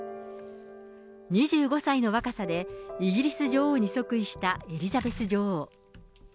２５歳の若さでイギリス女王に即位したエリザベス女王。